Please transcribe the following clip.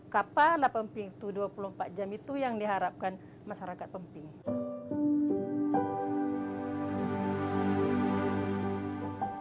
kapal lah pemping itu dua puluh empat jam itu yang diharapkan masyarakat pemping